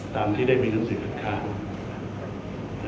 ตามที่ได้มีนักศึกฐานค้าง